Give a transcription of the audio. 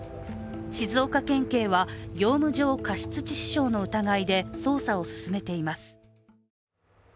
静岡県警は業務上過失致死傷の疑いで捜査を進めています。